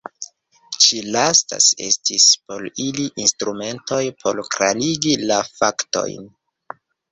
Ĉi lastaj estis por ili instrumentoj por klarigi la faktojn.